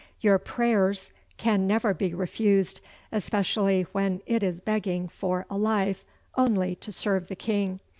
Your prairs can never be refused, especially when it is begging for a life only to serve the King.